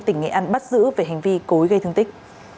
tỉnh nghệ an bắt giữ về hành vi cối gây thương tích